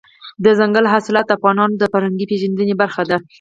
دځنګل حاصلات د افغانانو د فرهنګي پیژندنې برخه ده.